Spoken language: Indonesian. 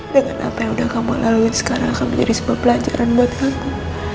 dengan apa yang kamu lalui sekarang akan menjadi pelajaran buat kamu